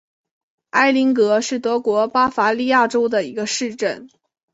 埃林格是德国巴伐利亚州的一个市镇。